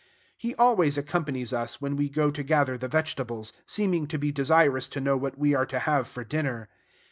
He always accompanies us when we go to gather the vegetables, seeming to be desirous to know what we are to have for dinner.